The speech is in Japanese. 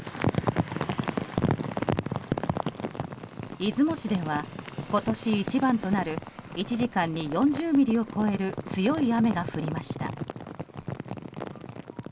出雲市では今年一番となる１時間に４０ミリを超える強い雨が降りました。